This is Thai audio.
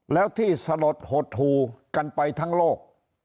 แล้วที่สลดหดหูกันไปทั้งโลก